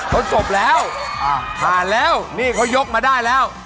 เขาจบแล้วผ่านแล้วนี่เขายกมาได้แล้ว